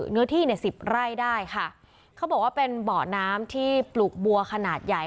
เนื้อที่เนี่ยสิบไร่ได้ค่ะเขาบอกว่าเป็นเบาะน้ำที่ปลูกบัวขนาดใหญ่